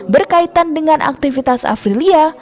berkaitan dengan aktivitas afrilia